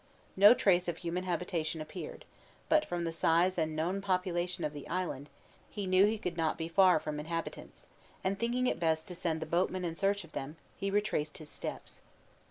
No trace of human habitation appeared; but from the size and known population of the island, he knew he could not be far from inhabitants; and thinking it best to send the boatmen in search of them, he retraced his steps.